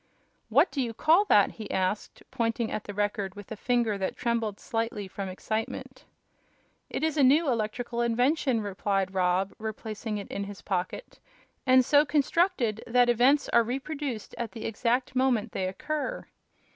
"What do you call that?" he asked, pointing at the Record with a finger that trembled slightly from excitement. "It is a new electrical invention," replied Rob, replacing it in his pocket, "and so constructed that events are reproduced at the exact moment they occur."